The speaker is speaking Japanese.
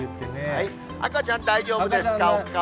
赤ちゃん大丈夫ですか？